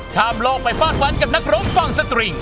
ทามโลกไปฟาดฟันกับนักรบฟังสตริง